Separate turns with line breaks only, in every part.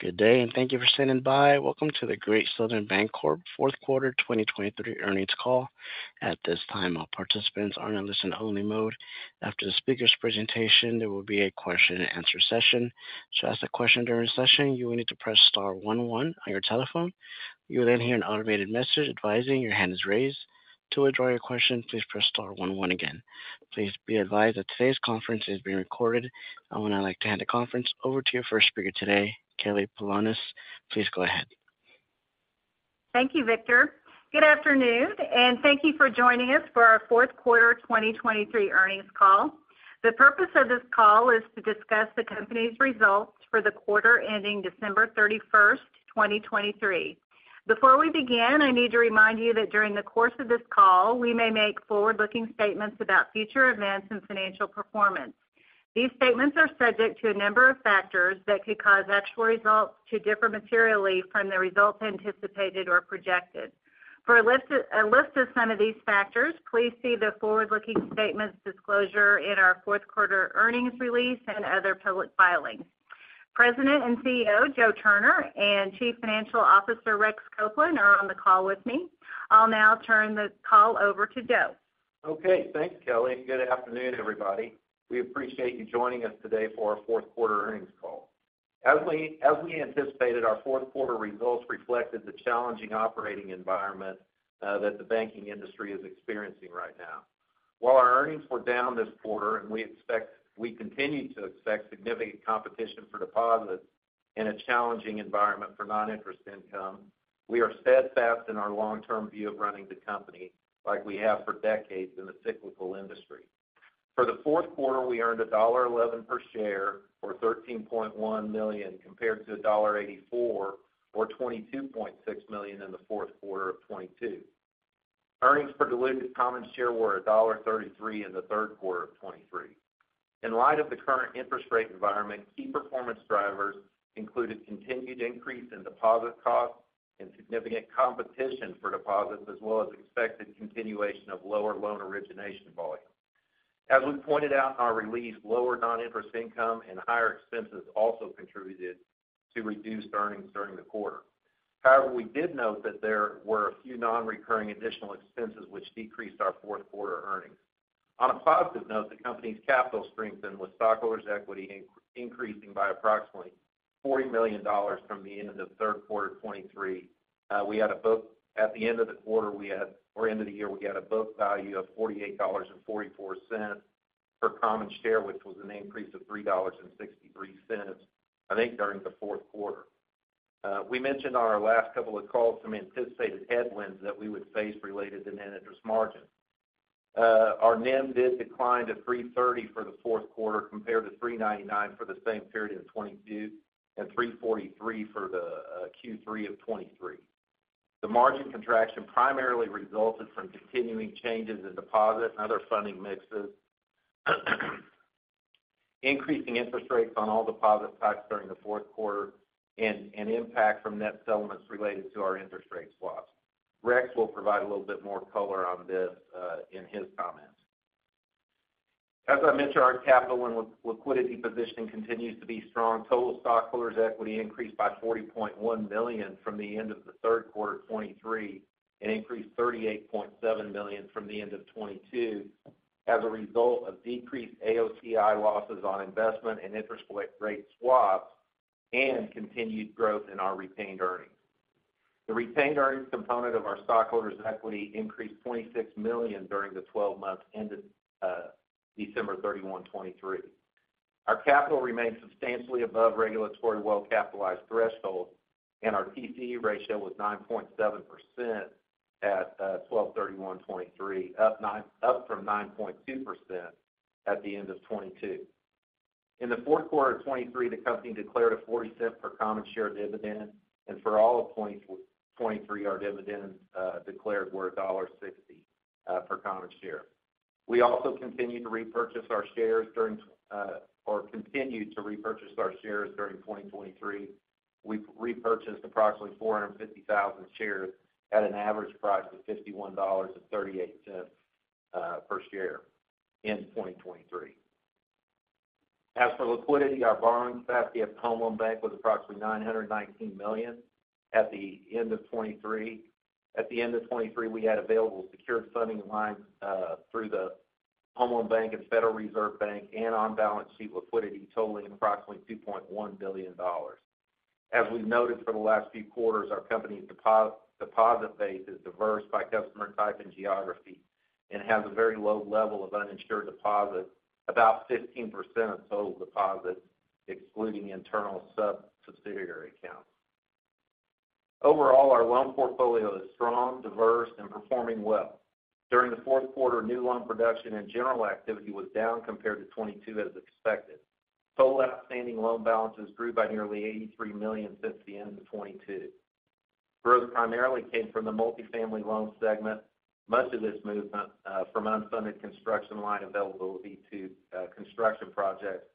Good day, and thank you for standing by. Welcome to the Great Southern Bancorp Fourth Quarter 2023 Earnings Call. At this time, all participants are in a listen only mode. After the speaker's presentation, there will be a question and answer session. To ask a question during the session, you will need to press star one one on your telephone. You will then hear an automated message advising your hand is raised. To withdraw your question, please press star one one again. Please be advised that today's conference is being recorded. I would now like to hand the conference over to your first speaker today, Kelly Polonus. Please go ahead.
Thank you, Victor. Good afternoon, and thank you for joining us for our fourth quarter 2023 earnings call. The purpose of this call is to discuss the company's results for the quarter ending December 31st, 2023. Before we begin, I need to remind you that during the course of this call, we may make forward-looking statements about future events and financial performance. These statements are subject to a number of factors that could cause actual results to differ materially from the results anticipated or projected. For a list of, a list of some of these factors, please see the forward-looking statements disclosure in our fourth quarter earnings release and other public filings. President and CEO, Joe Turner, and Chief Financial Officer, Rex Copeland, are on the call with me. I'll now turn the call over to Joe.
Okay, thanks, Kelly, and good afternoon, everybody. We appreciate you joining us today for our fourth quarter earnings call. As we, as we anticipated, our fourth quarter results reflected the challenging operating environment that the banking industry is experiencing right now. While our earnings were down this quarter, and we expect-- we continue to expect significant competition for deposits in a challenging environment for non-interest income, we are steadfast in our long-term view of running the company like we have for decades in the cyclical industry. For the fourth quarter, we earned $1.11 per share, or $13.1 million, compared to $1.84, or $22.6 million in the fourth quarter of 2022. Earnings per diluted common share were $1.33 in the third quarter of 2023. In light of the current interest rate environment, key performance drivers included continued increase in deposit costs and significant competition for deposits, as well as expected continuation of lower loan origination volume. As we pointed out in our release, lower non-interest income and higher expenses also contributed to reduced earnings during the quarter. However, we did note that there were a few non-recurring additional expenses, which decreased our fourth quarter earnings. On a positive note, the company's capital strengthened, with stockholders' equity increasing by approximately $40 million from the end of the third quarter 2023. At the end of the quarter, we had, or end of the year, we had a book value of $48.44 per common share, which was an increase of $3.63, I think, during the fourth quarter. We mentioned on our last couple of calls some anticipated headwinds that we would face related to net interest margin. Our NIM did decline to 3.30% for the fourth quarter, compared to 3.99% for the same period in 2022, and 3.43% for the Q3 of 2023. The margin contraction primarily resulted from continuing changes in deposit and other funding mixes, increasing interest rates on all deposit types during the fourth quarter, and an impact from net settlements related to our interest rate swaps. Rex will provide a little bit more color on this in his comments. As I mentioned, our capital and liquidity positioning continues to be strong. Total stockholders' equity increased by $40.1 million from the end of the third quarter 2023, and increased $38.7 million from the end of 2022, as a result of decreased AOCI losses on investment and interest rate swaps, and continued growth in our retained earnings. The retained earnings component of our stockholders' equity increased $26 million during the twelve months ended December 31, 2023. Our capital remains substantially above regulatory well-capitalized thresholds, and our TCE ratio was 9.7% at 12/31/2023, up from 9.2% at the end of 2022. In the fourth quarter of 2023, the company declared a $0.40 per common share dividend, and for all of 2023, our dividend declared were $1.60 per common share. We also continued to repurchase our shares during 2023. We repurchased approximately 450,000 shares at an average price of $51.38 per share in 2023. As for liquidity, our borrowing capacity at Home Loan Bank was approximately $919 million at the end of 2023. At the end of 2023, we had available secured funding lines through the Home Loan Bank and Federal Reserve Bank, and on-balance sheet liquidity totaling approximately $2.1 billion. As we've noted for the last few quarters, our company's deposit base is diverse by customer type and geography, and has a very low level of uninsured deposits, about 15% of total deposits, excluding internal subsidiary accounts. Overall, our loan portfolio is strong, diverse, and performing well. During the fourth quarter, new loan production and general activity was down compared to 2022, as expected. Total outstanding loan balances grew by nearly $83 million since the end of 2022. Growth primarily came from the multi-family loan segment. Much of this movement from an unfunded construction line of availability to construction projects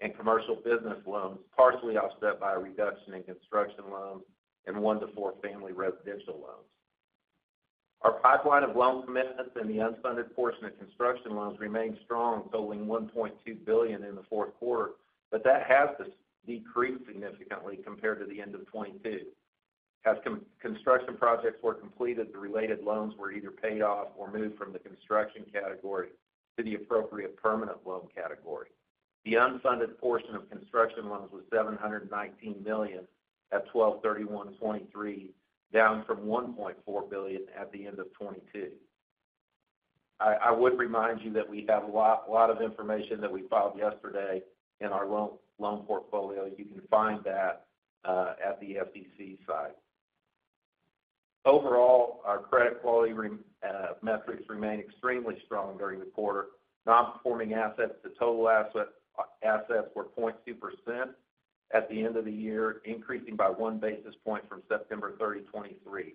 and commercial business loans, partially offset by a reduction in construction loans and one- to four-family residential loans. Our pipeline of loan commitments and the unfunded portion of construction loans remained strong, totaling $1.2 billion in the fourth quarter, but that has decreased significantly compared to the end of 2022. As construction projects were completed, the related loans were either paid off or moved from the construction category to the appropriate permanent loan category. The unfunded portion of construction loans was $719 million at 12/31/2023, down from $1.4 billion at the end of 2022. I would remind you that we have a lot, lot of information that we filed yesterday in our loan, loan portfolio. You can find that at the FDIC site. Overall, our credit quality metrics remained extremely strong during the quarter. Non-performing assets to total assets were 0.2% at the end of the year, increasing by 1 basis point from September 30, 2023.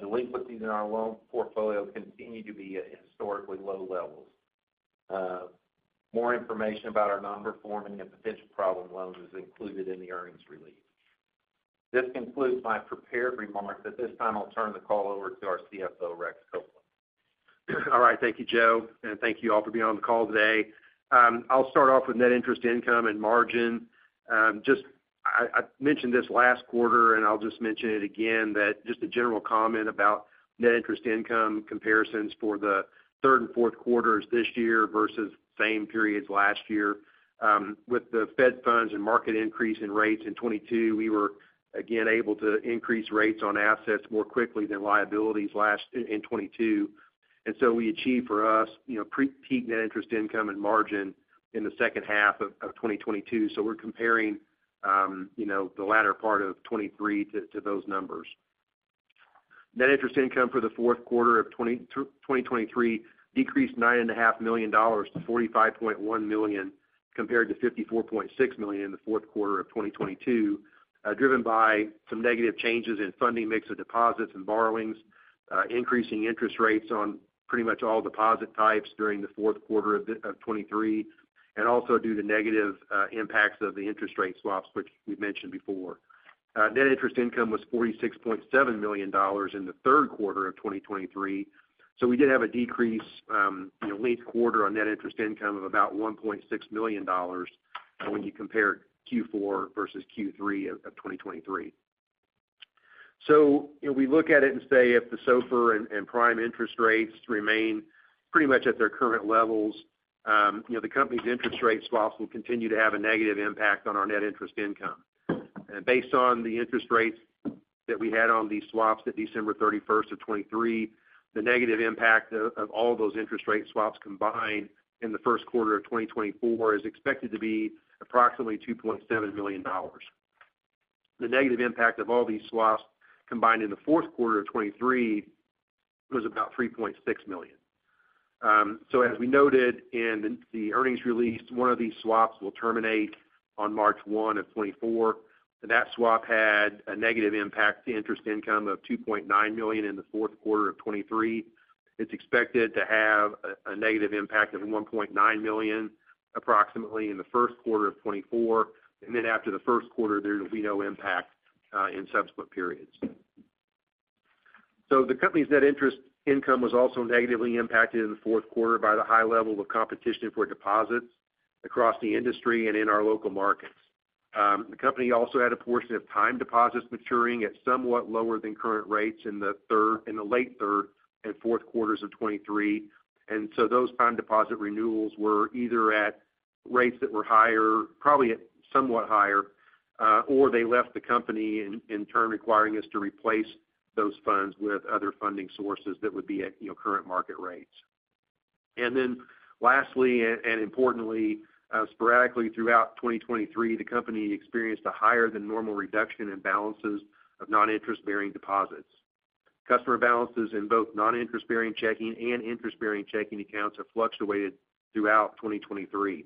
Delinquencies in our loan portfolio continue to be at historically low levels. More information about our non-performing and potential problem loans is included in the earnings release. This concludes my prepared remarks. At this time, I'll turn the call over to our CFO, Rex Copeland.
All right. Thank you, Joe, and thank you all for being on the call today. I'll start off with net interest income and margin. Just, I mentioned this last quarter, and I'll just mention it again, that just a general comment about net interest income comparisons for the third and fourth quarters this year versus same periods last year. With the Fed Funds and market increase in rates in 2022, we were again able to increase rates on assets more quickly than liabilities in 2022. And so we achieved for us, you know, pre-peak net interest income and margin in the second half of 2022. So we're comparing, you know, the latter part of 2023 to those numbers. Net interest income for the fourth quarter of 2023 decreased $9.5 million to $45.1 million, compared to $54.6 million in the fourth quarter of 2022, driven by some negative changes in funding mix of deposits and borrowings, increasing interest rates on pretty much all deposit types during the fourth quarter of 2023, and also due to negative impacts of the interest rate swaps, which we've mentioned before. Net interest income was $46.7 million in the third quarter of 2023. So we did have a decrease, you know, linked quarter on net interest income of about $1.6 million when you compare Q4 versus Q3 of 2023. So if we look at it and say, if the SOFR and prime interest rates remain pretty much at their current levels, you know, the company's interest rate swaps will continue to have a negative impact on our net interest income. And based on the interest rates that we had on these swaps at December 31, 2023, the negative impact of all those interest rate swaps combined in the first quarter of 2024 is expected to be approximately $2.7 million. The negative impact of all these swaps combined in the fourth quarter of 2023 was about $3.6 million. So as we noted in the earnings release, one of these swaps will terminate on March 1, 2024. That swap had a negative impact to interest income of $2.9 million in the fourth quarter of 2023. It's expected to have a negative impact of $1.9 million, approximately in the first quarter of 2024, and then after the first quarter, there will be no impact in subsequent periods. So the company's net interest income was also negatively impacted in the fourth quarter by the high level of competition for deposits across the industry and in our local markets. The company also had a portion of time deposits maturing at somewhat lower than current rates in the late third and fourth quarters of 2023. And so those time deposit renewals were either at rates that were higher, probably somewhat higher, or they left the company, in turn, requiring us to replace those funds with other funding sources that would be at you know current market rates. And then lastly, and importantly, sporadically throughout 2023, the company experienced a higher than normal reduction in balances of non-interest-bearing deposits. Customer balances in both non-interest-bearing checking and interest-bearing checking accounts have fluctuated throughout 2023.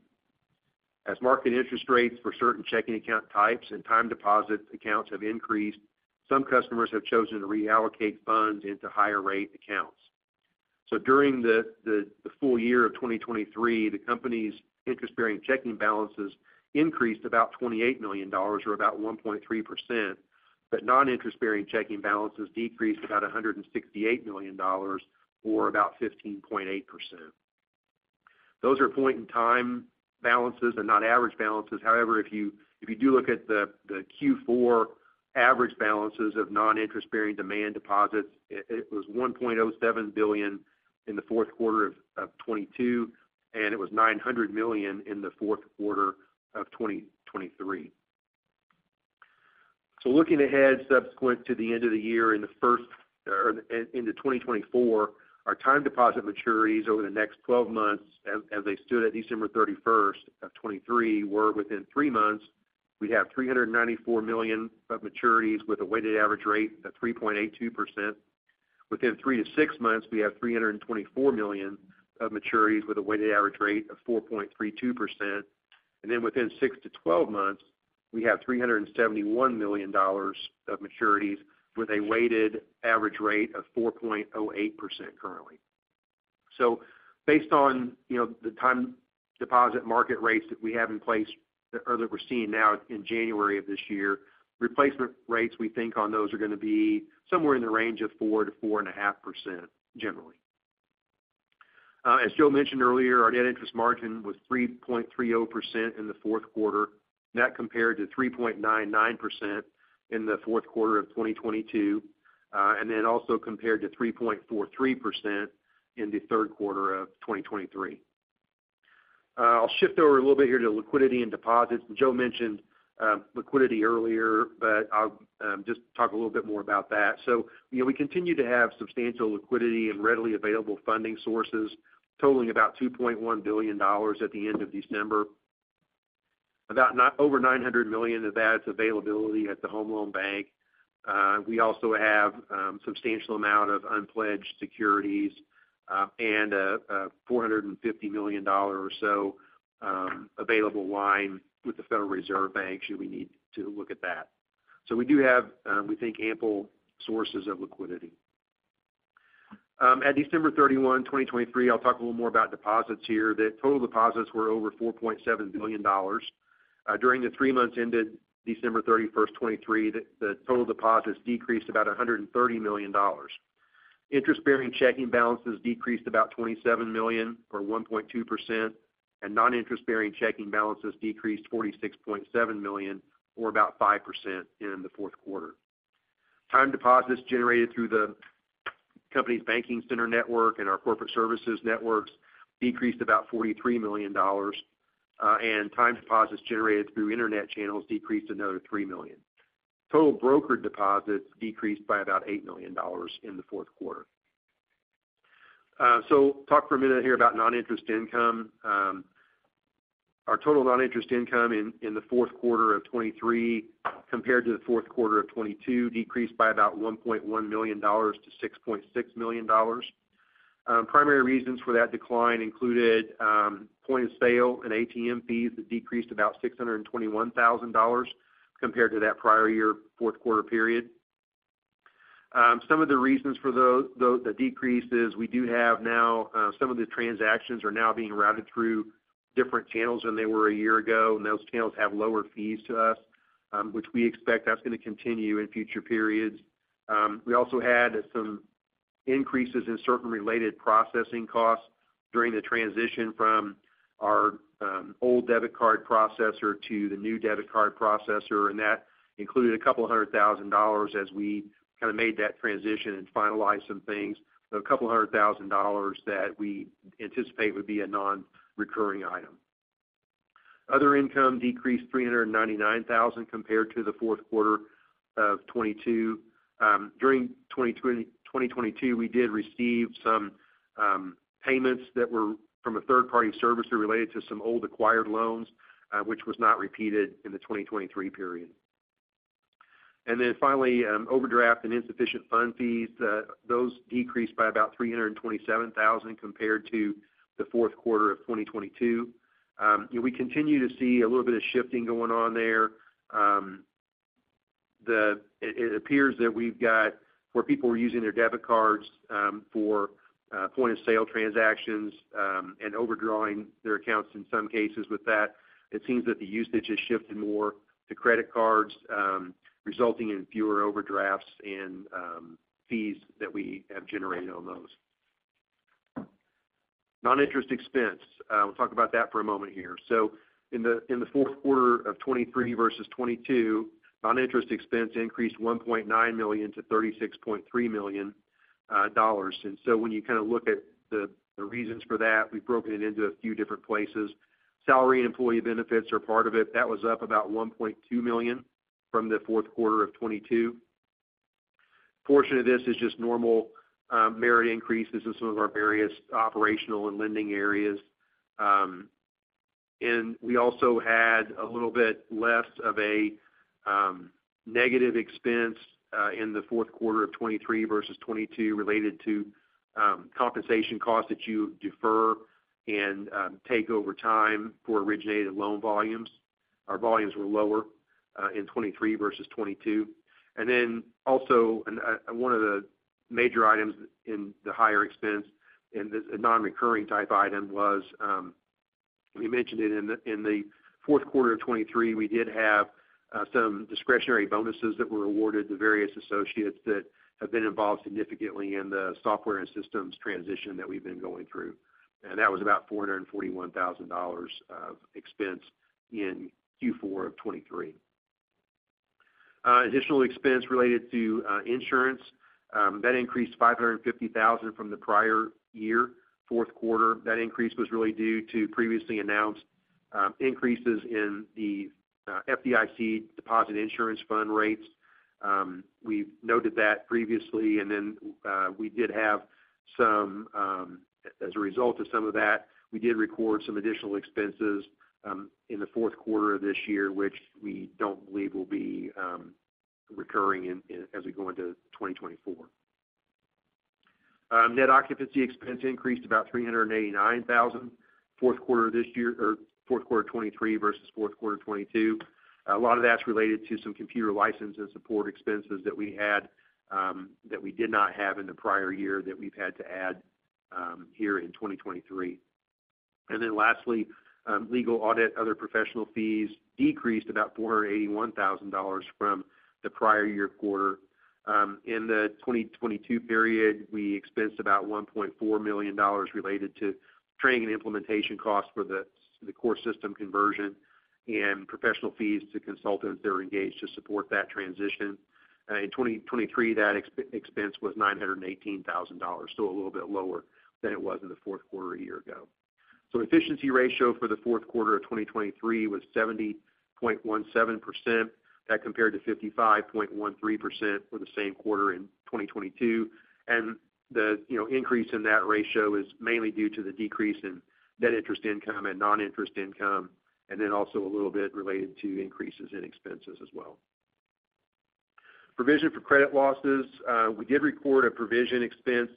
As market interest rates for certain checking account types and time deposit accounts have increased, some customers have chosen to reallocate funds into higher rate accounts. So during the full year of 2023, the company's interest-bearing checking balances increased about $28 million, or about 1.3%, but non-interest-bearing checking balances decreased about $168 million, or about 15.8%. Those are point in time balances and not average balances. However, if you do look at the Q4 average balances of non-interest-bearing demand deposits, it was $1.07 billion in the fourth quarter of 2022, and it was $900 million in the fourth quarter of 2023. So looking ahead, subsequent to the end of the year in the first... in, into 2024, our time deposit maturities over the next 12 months, as they stood at December 31st, 2023, were within three months. We'd have $394 million of maturities with a weighted average rate of 3.82%. Within three to six months, we have $324 million of maturities with a weighted average rate of 4.32%. And then within six to 12 months, we have $371 million of maturities with a weighted average rate of 4.08% currently... So based on, you know, the time deposit market rates that we have in place or that we're seeing now in January of this year, replacement rates, we think on those are going to be somewhere in the range of 4%-4.5%, generally. As Joe mentioned earlier, our net interest margin was 3.30% in the fourth quarter. That compared to 3.99% in the fourth quarter of 2022, and then also compared to 3.43% in the third quarter of 2023. I'll shift over a little bit here to liquidity and deposits. Joe mentioned liquidity earlier, but I'll just talk a little bit more about that. So, you know, we continue to have substantial liquidity and readily available funding sources, totaling about $2.1 billion at the end of December. About over $900 million of that is availability at the Home Loan Bank. We also have substantial amount of unpledged securities and a $450 million or so available line with the Federal Reserve Bank, should we need to look at that. So we do have we think ample sources of liquidity. At December 31, 2023, I'll talk a little more about deposits here. The total deposits were over $4.7 billion. During the three months ended December 31, 2023, the total deposits decreased about $130 million. Interest-bearing checking balances decreased about $27 million, or 1.2%, and non-interest-bearing checking balances decreased $46.7 million, or about 5% in the fourth quarter. Time deposits generated through the company's banking center network and our corporate services networks decreased about $43 million, and time deposits generated through internet channels decreased another $3 million. Total brokered deposits decreased by about $8 million in the fourth quarter. So talk for a minute here about non-interest income. Our total non-interest income in the fourth quarter of 2023, compared to the fourth quarter of 2022, decreased by about $1.1 million to $6.6 million. Primary reasons for that decline included point-of-sale and ATM fees that decreased about $621,000 compared to that prior year, fourth quarter period. Some of the reasons for the decrease is we do have now some of the transactions are now being routed through different channels than they were a year ago, and those channels have lower fees to us, which we expect that's going to continue in future periods. We also had some increases in certain related processing costs during the transition from our old debit card processor to the new debit card processor, and that include a couple of hundred thousand dollars as we kind of made that transition and finalized some things. So a couple of hundred thousand dollars that we anticipate would be a non-recurring item. Other income decreased $399,000 compared to the fourth quarter of 2022. During 2022, we did receive some payments that were from a third-party servicer related to some old acquired loans, which was not repeated in the 2023 period. Then finally, overdraft and insufficient fund fees, those decreased by about $327,000 compared to the fourth quarter of 2022. We continue to see a little bit of shifting going on there. It appears that we've got where people were using their debit cards for point-of-sale transactions and overdrawing their accounts in some cases with that. It seems that the usage has shifted more to credit cards, resulting in fewer overdrafts and fees that we have generated on those. Non-interest expense, we'll talk about that for a moment here. So in the fourth quarter of 2023 versus 2022, non-interest expense increased $1.9 million to $36.3 million. And so when you kind of look at the reasons for that, we've broken it into a few different places. Salary and employee benefits are part of it. That was up about $1.2 million from the fourth quarter of 2022. Portion of this is just normal merit increases in some of our various operational and lending areas. And we also had a little bit less of a negative expense in the fourth quarter of 2023 versus 2022, related to compensation costs that you defer and take over time for originated loan volumes. Our volumes were lower in 2023 versus 2022. One of the major items in the higher expense, and this a non-recurring type item, was, we mentioned it in the, in the fourth quarter of 2023, we did have, some discretionary bonuses that were awarded to various associates that have been involved significantly in the software and systems transition that we've been going through. And that was about $441,000 of expense in Q4 of 2023. Additional expense related to, insurance, that increased $550,000 from the prior year, fourth quarter. That increase was really due to previously announced, increases in the, FDIC Deposit Insurance Fund rates. We've noted that previously, and then, we did have some, as a result of some of that, we did record some additional expenses, in the fourth quarter of this year, which we don't believe will be recurring in—as we go into 2024. Net occupancy expense increased about $389,000.... fourth quarter this year, or fourth quarter 2023 versus fourth quarter 2022. A lot of that's related to some computer license and support expenses that we had, that we did not have in the prior year that we've had to add, here in 2023. And then lastly, legal audit, other professional fees decreased about $481,000 from the prior year quarter. In the 2022 period, we expensed about $1.4 million related to training and implementation costs for the core system conversion and professional fees to consultants that are engaged to support that transition. In 2023, that expense was $918,000, so a little bit lower than it was in the fourth quarter a year ago. So efficiency ratio for the fourth quarter of 2023 was 70.17%. That compared to 55.13% for the same quarter in 2022. And the, you know, increase in that ratio is mainly due to the decrease in net interest income and non-interest income, and then also a little bit related to increases in expenses as well. Provision for credit losses. We did record a provision expense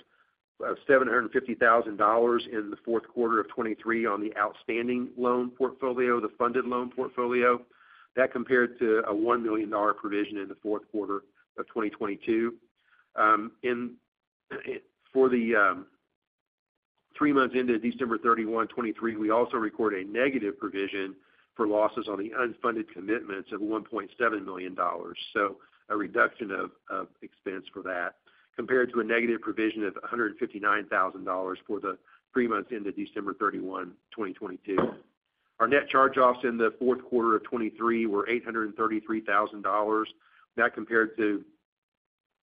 of $750,000 in the fourth quarter of 2023 on the outstanding loan portfolio, the funded loan portfolio. That compared to a $1 million provision in the fourth quarter of 2022. In the three months ended December 31, 2023, we also recorded a negative provision for losses on the unfunded commitments of $1.7 million. So a reduction of expense for that, compared to a negative provision of $159,000 for the three months ended December 31, 2022. Our net charge-offs in the fourth quarter of 2023 were $833,000. That compared to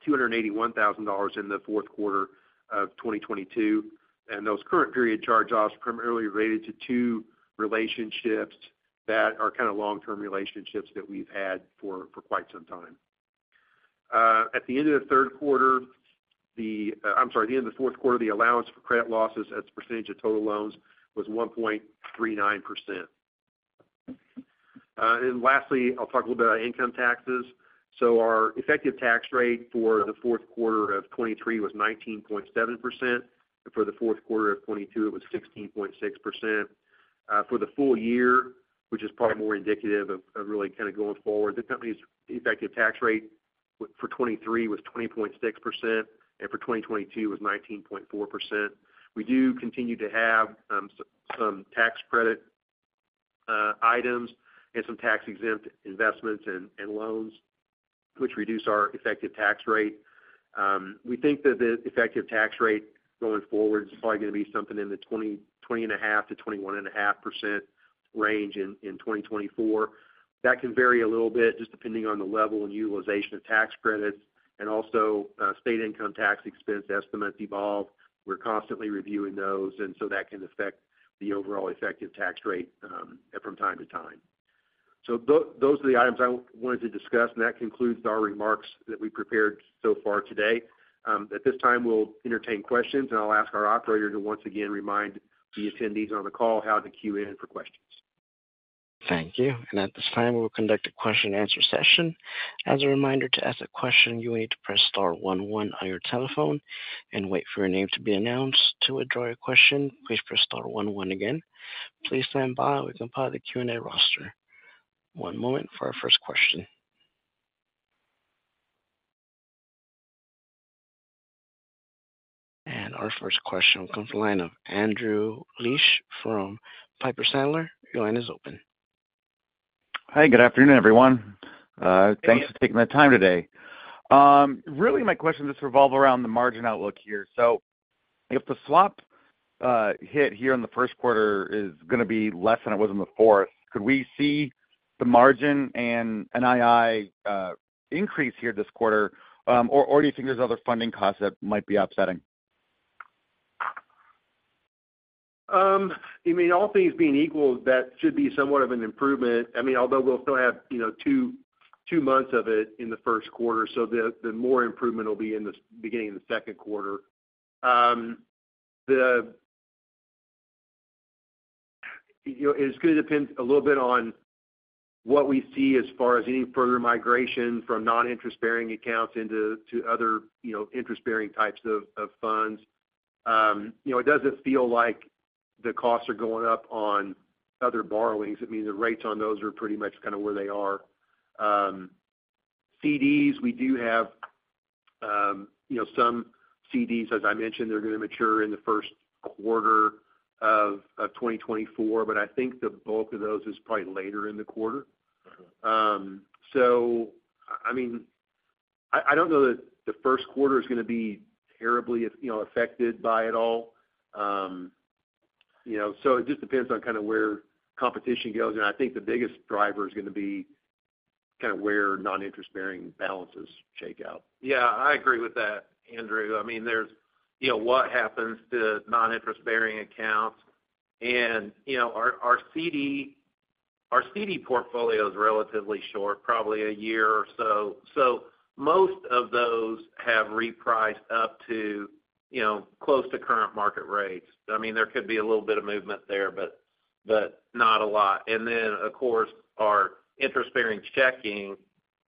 $281,000 in the fourth quarter of 2022, and those current period charge-offs primarily related to two relationships that are kind of long-term relationships that we've had for quite some time. At the end of the fourth quarter, the allowance for credit losses as a percentage of total loans was 1.39%. And lastly, I'll talk a little bit about income taxes. So our effective tax rate for the fourth quarter of 2023 was 19.7%, and for the fourth quarter of 2022, it was 16.6%. For the full year, which is probably more indicative of really kind of going forward, the company's effective tax rate for 2023 was 20.6%, and for 2022 was 19.4%. We do continue to have some tax credit items and some tax-exempt investments and loans, which reduce our effective tax rate. We think that the effective tax rate going forward is probably going to be something in the 20%, 20.5%-21.5% range in 2024. That can vary a little bit, just depending on the level and utilization of tax credits and also state income tax expense estimates evolve. We're constantly reviewing those, and so that can affect the overall effective tax rate from time to time. So those are the items I wanted to discuss, and that concludes our remarks that we prepared so far today. At this time, we'll entertain questions, and I'll ask our operator to once again remind the attendees on the call how to queue in for questions.
Thank you. At this time, we'll conduct a question and answer session. As a reminder to ask a question, you will need to press star one one on your telephone and wait for your name to be announced. To withdraw your question, please press star one one again. Please stand by. We compile the Q&A roster. One moment for our first question. Our first question comes from the line of Andrew Liesch from Piper Sandler. Your line is open.
Hi, good afternoon, everyone. Thanks for taking the time today. Really, my question just revolve around the margin outlook here. So if the swap hit here in the first quarter is going to be less than it was in the fourth, could we see the margin and NII increase here this quarter, or do you think there's other funding costs that might be offsetting?
I mean, all things being equal, that should be somewhat of an improvement. I mean, although we'll still have, you know, two, two months of it in the first quarter, so the more improvement will be in the beginning of the second quarter. You know, it's going to depend a little bit on what we see as far as any further migration from non-interest-bearing accounts into other, you know, interest-bearing types of funds. You know, it doesn't feel like the costs are going up on other borrowings. I mean, the rates on those are pretty much kind of where they are. CDs, we do have, you know, some CDs, as I mentioned, they're going to mature in the first quarter of 2024, but I think the bulk of those is probably later in the quarter. So, I mean, I don't know that the first quarter is going to be terribly, you know, affected by it all. You know, so it just depends on kind of where competition goes, and I think the biggest driver is going to be kind of where non-interest-bearing balances shake out. Yeah, I agree with that, Andrew. I mean, there's, you know, what happens to non-interest-bearing accounts and, you know, our, our CD, our CD portfolio is relatively short, probably a year or so. So most of those have repriced up to, you know, close to current market rates. I mean, there could be a little bit of movement there, but, but not a lot. And then, of course, our interest-bearing checking,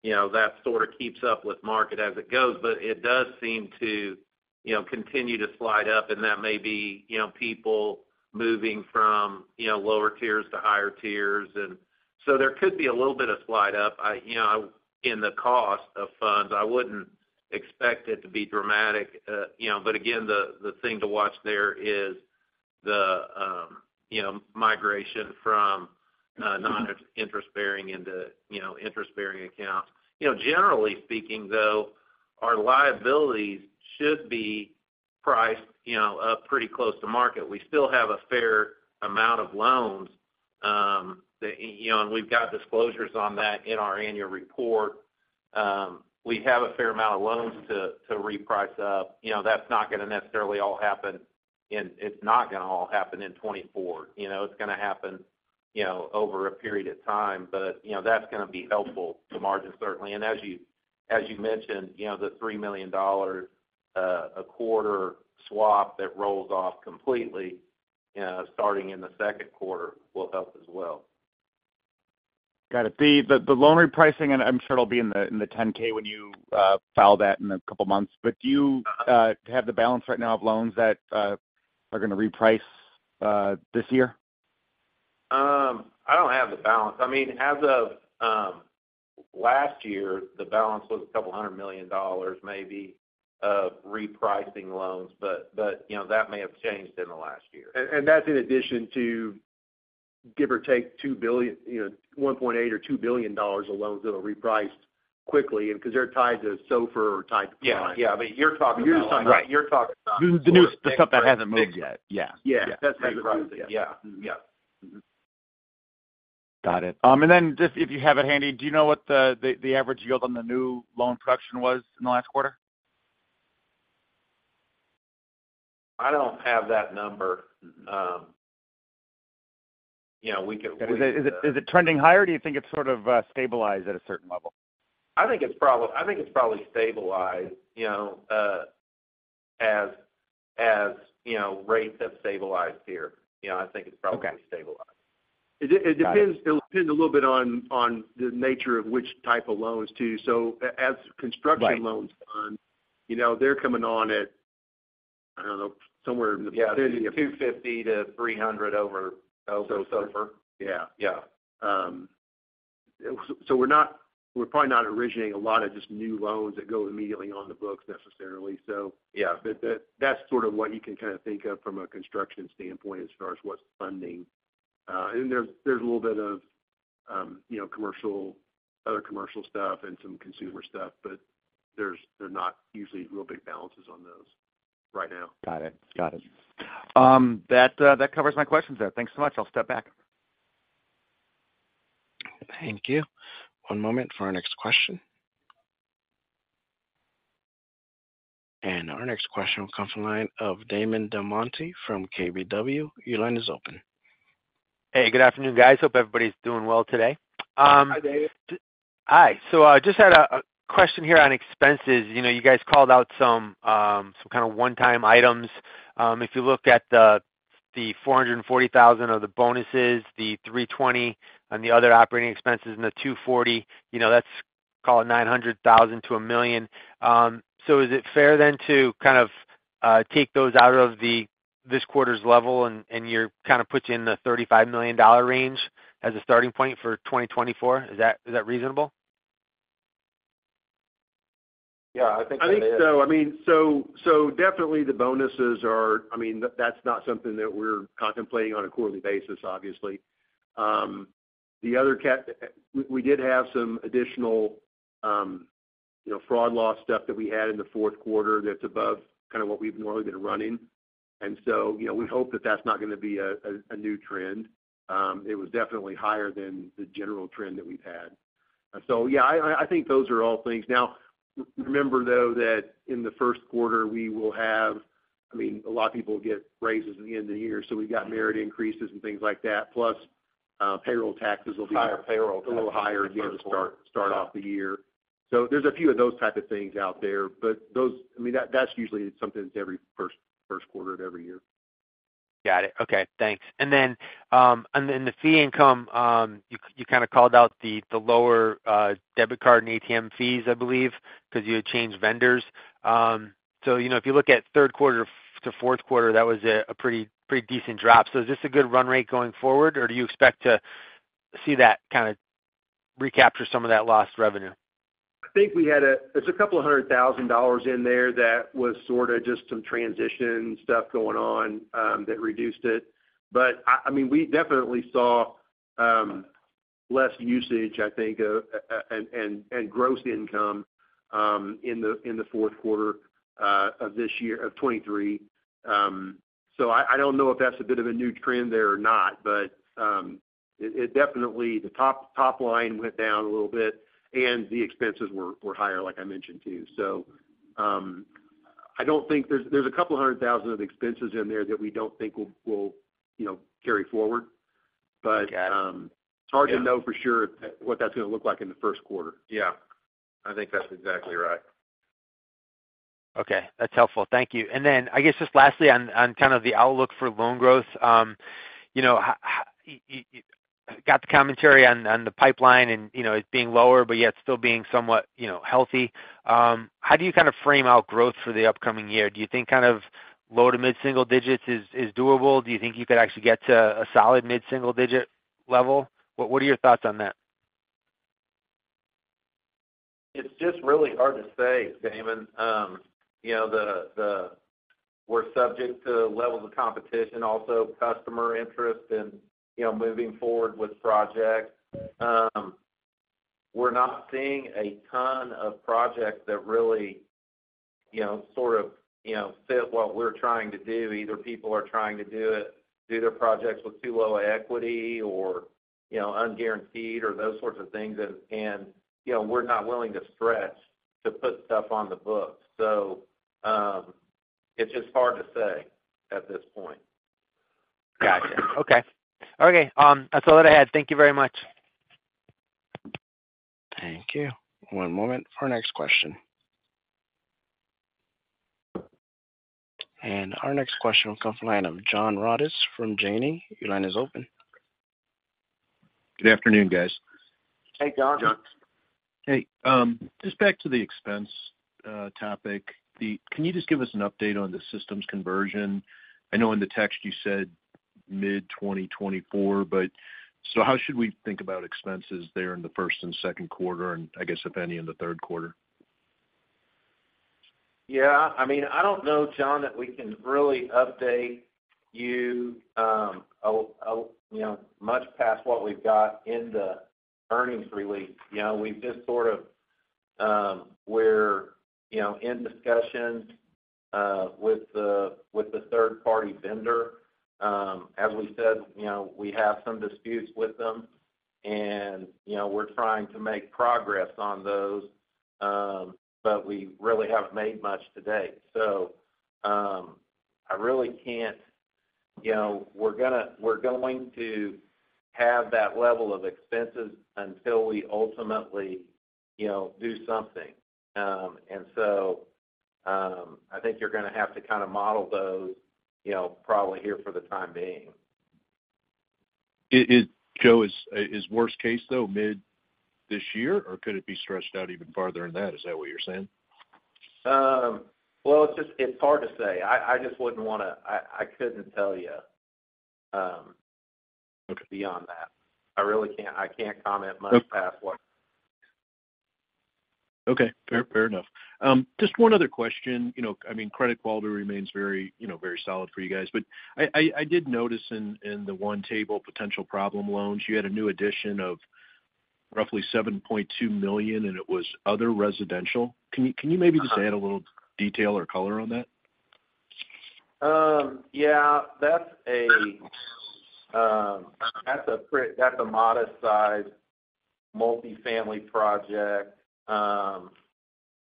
you know, that sort of keeps up with market as it goes, but it does seem to, you know, continue to slide up, and that may be, you know, people moving from, you know, lower tiers to higher tiers. And so there could be a little bit of slide up, you know, in the cost of funds.
I wouldn't expect it to be dramatic, you know, but again, the thing to watch there is the, you know, migration from non-interest bearing into, you know, interest-bearing accounts. You know, generally speaking, though, our liabilities should be priced, you know, up pretty close to market. We still have a fair amount of loans, that, you know, and we've got disclosures on that in our annual report. We have a fair amount of loans to reprice up. You know, that's not going to necessarily all happen in, it's not going to all happen in 2024. You know, it's going to happen, you know, over a period of time, but, you know, that's going to be helpful to margins, certainly. As you, as you mentioned, you know, the $3 million a quarter swap that rolls off completely starting in the second quarter will help as well.
Got it. The loan repricing, and I'm sure it'll be in the 10-K when you file that in a couple of months, but do you have the balance right now of loans that are going to reprice this year?
I don't have the balance. I mean, as of last year, the balance was $200 million, maybe, of repricing loans. But, you know, that may have changed in the last year.
And that's in addition to give or take $2 billion, you know, $1.8 billion or $2 billion of loans that are repriced quickly and because they're tied to SOFR type of products.
Yeah. Yeah, but you're talking about-
You're talking about-
Right.
You're talking about-
The new, the stuff that hasn't moved yet. Yeah.
Yeah.
That's right.
Yeah.
Yeah.
Got it. And then just if you have it handy, do you know what the average yield on the new loan production was in the last quarter?
I don't have that number. You know, we could-
Is it, is it trending higher, or do you think it's sort of stabilized at a certain level?
I think it's probably stabilized, you know, as you know, rates have stabilized here. You know, I think it's probably-
Okay...
stabilized.
It depends-
Got it.
It depends a little bit on the nature of which type of loans, too. So as construction-
Right
-loans fund, you know, they're coming on at, I don't know, somewhere in the-
Yeah, 250-300 over SOFR. Yeah.
Yeah. So, we're probably not originating a lot of just new loans that go immediately on the books necessarily, so- Yeah. But that's sort of what you can kind of think of from a construction standpoint as far as what's funding. And there's a little bit of, you know, commercial, other commercial stuff and some consumer stuff, but they're not usually real big balances on those right now.
Got it. Got it. That covers my questions there. Thanks so much. I'll step back.
Thank you. One moment for our next question. And our next question will come from the line of Damon DelMonte from KBW. Your line is open.
Hey, good afternoon, guys. Hope everybody's doing well today.
Hi, David.
Hi. So I just had a question here on expenses. You know, you guys called out some kind of one-time items. If you look at the $440,000 of the bonuses, the $320,000 on the other operating expenses, and the $240,000, you know, that's call it $900,000-$1 million. So is it fair then to kind of take those out of this quarter's level, and you're kind of put you in the $35 million range as a starting point for 2024? Is that reasonable?
Yeah, I think that is.
I think so. I mean, so definitely the bonuses are... I mean, that's not something that we're contemplating on a quarterly basis, obviously. We did have some additional, you know, fraud loss stuff that we had in the fourth quarter that's above kind of what we've normally been running. And so, you know, we hope that that's not going to be a new trend. It was definitely higher than the general trend that we've had. So yeah, I think those are all things. Now, remember, though, that in the first quarter, we will have, I mean, a lot of people get raises at the end of the year, so we've got merit increases and things like that, plus, payroll taxes will be-
Higher payroll-
A little higher to start off the year. So there's a few of those type of things out there, but those, I mean, that's usually it's something that's every first quarter of every year.
Got it. Okay, thanks. And then the fee income, you kind of called out the lower debit card and ATM fees, I believe, because you had changed vendors. So, you know, if you look at third quarter to fourth quarter, that was a pretty decent drop. So is this a good run rate going forward, or do you expect to see that kind of recapture some of that lost revenue?
There's $200,000 in there that was sort of just some transition stuff going on that reduced it. But I mean, we definitely saw less usage, I think, and gross income in the fourth quarter of this year, 2023. So I don't know if that's a bit of a new trend there or not, but it definitely the top line went down a little bit, and the expenses were higher, like I mentioned to you. So I don't think... There's $200,000 of expenses in there that we don't think will you know carry forward.
Got it.
It's hard to know for sure what that's going to look like in the first quarter.
Yeah. I think that's exactly right....
Okay, that's helpful. Thank you. And then, I guess, just lastly on the outlook for loan growth, you know, got the commentary on the pipeline and, you know, it being lower, but yet still being somewhat, you know, healthy. How do you kind of frame out growth for the upcoming year? Do you think kind of low to mid single digits is doable? Do you think you could actually get to a solid mid single digit level? What are your thoughts on that?
It's just really hard to say, Damon. You know, we're subject to levels of competition, also customer interest in, you know, moving forward with projects. We're not seeing a ton of projects that really, you know, sort of, you know, fit what we're trying to do. Either people are trying to do their projects with too low equity or, you know, unguaranteed or those sorts of things. And, you know, we're not willing to stretch to put stuff on the books. So, it's just hard to say at this point.
Gotcha. Okay. Okay, that's all that I had. Thank you very much.
Thank you. One moment for our next question. Our next question will come from the line of John Rodis from Janney. Your line is open.
Good afternoon, guys.
Hey, John.
John.
Hey, just back to the expense topic. Can you just give us an update on the systems conversion? I know in the text you said mid-2024, but so how should we think about expenses there in the first and second quarter and I guess, if any, in the third quarter?
Yeah, I mean, I don't know, John, that we can really update you, you know, much past what we've got in the earnings release. You know, we've just sort of, we're, you know, in discussions with the third-party vendor. As we said, you know, we have some disputes with them, and, you know, we're trying to make progress on those, but we really haven't made much to date. So, I really can't... You know, we're going to have that level of expenses until we ultimately, you know, do something. And so, I think you're gonna have to kind of model those, you know, probably here for the time being.
Is Joe, is worst case, though, mid this year, or could it be stretched out even farther than that? Is that what you're saying?
Well, it's just, it's hard to say. I just wouldn't want to... I couldn't tell you.
Okay.
Beyond that. I really can't, I can't comment much past what-
Okay, fair, fair enough. Just one other question. You know, I mean, credit quality remains very, you know, very solid for you guys, but I did notice in the one table, potential problem loans, you had a new addition of roughly $7.2 million, and it was other residential. Can you maybe just add a little detail or color on that?
Yeah, that's a modest-sized multifamily project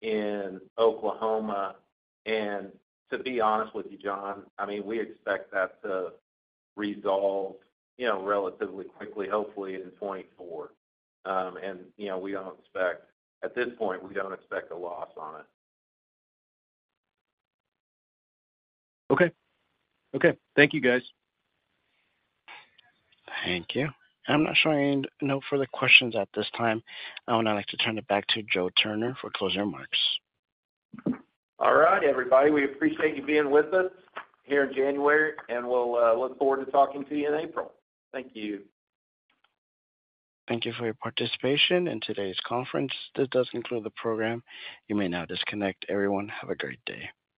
in Oklahoma. And to be honest with you, John, I mean, we expect that to resolve, you know, relatively quickly, hopefully in 2024. And, you know, we don't expect... At this point, we don't expect a loss on it.
Okay. Okay. Thank you, guys.
Thank you. I'm not showing no further questions at this time. I would now like to turn it back to Joe Turner for closing remarks.
All right, everybody, we appreciate you being with us here in January, and we'll look forward to talking to you in April. Thank you.
Thank you for your participation in today's conference. This does conclude the program. You may now disconnect. Everyone, have a great day.